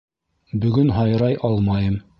— Бөгөн һайрай алмайым.